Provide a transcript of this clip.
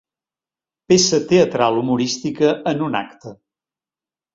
Peça teatral humorística en un acte.